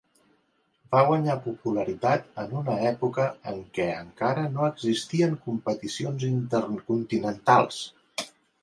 Va guanyar popularitat en una època en què encara no existien competicions intercontinentals.